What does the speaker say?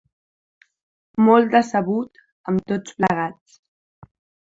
Molt decebut amb tots plegats.